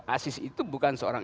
aziz itu bukan seorang